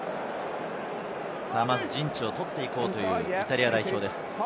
まず陣地を取っていこうというイタリア代表です。